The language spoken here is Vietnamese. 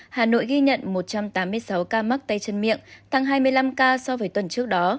hà nội ghi nhận một trăm tám mươi sáu ca mắc tay chân miệng tăng hai mươi năm ca so với tuần trước đó